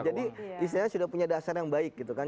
jadi istilahnya sudah punya dasar yang baik gitu kan